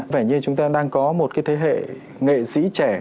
vẻ như chúng ta đang có một cái thế hệ nghệ sĩ trẻ